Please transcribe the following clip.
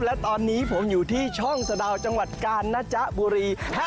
และตอนนี้ผมอยู่ที่ช่องสะดาวจังหวัดกาญนะจ๊ะบุรี